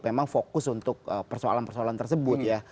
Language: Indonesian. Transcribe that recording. memang fokus untuk persoalan persoalan tersebut ya